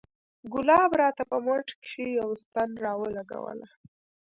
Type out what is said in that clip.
ګلاب راته په مټ کښې يوه ستن راولګوله.